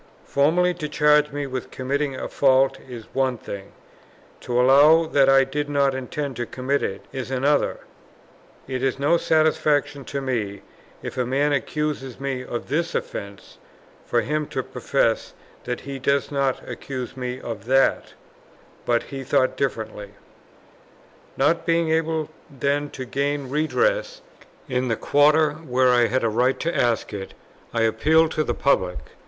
Formally to charge me with committing a fault is one thing; to allow that I did not intend to commit it, is another; it is no satisfaction to me, if a man accuses me of this offence, for him to profess that he does not accuse me of that; but he thought differently. Not being able then to gain redress in the quarter, where I had a right to ask it, I appealed to the public.